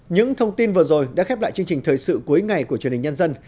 những thông tin vừa rồi đã khép lại chương trình thời sự cuối ngày của truyền hình nhân dân